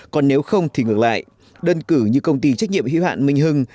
còn nếu không thì ngược lại đơn cử như công ty trách nhiệm hữu hạn minh hưng